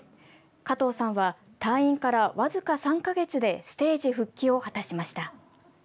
加藤さんは退院からわずか３か月でステージ復帰を果たしました。